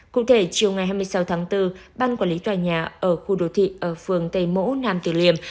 cụ thể chiều hai mươi sáu tháng bốn ban quản lý tòa nhà ở khu đô thị ở phường tây liêm